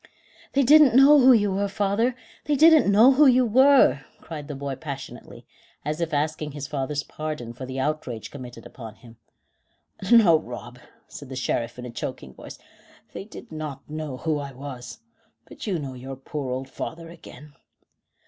"They didn't know who you were, father; they didn't know who you were," cried the boy passionately, as if asking his father's pardon for the outrage committed upon him. "No, Rob," said the Sheriff, in a choking voice; "they did not know who I was. But you know your poor old father again."